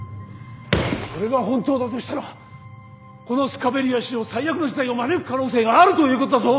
それが本当だとしたらこのスカベリア史上最悪の事態を招く可能性があるということだぞ！